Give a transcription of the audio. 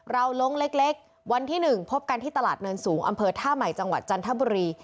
ลงเล็กวันที่๑พบกันที่ตลาดเนินสูงอำเภอท่าใหม่จังหวัดจันทบุรี